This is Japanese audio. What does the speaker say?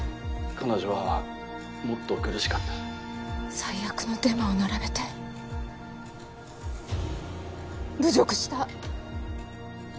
彼女はもっと苦しかった最悪のデマを並べて侮辱した！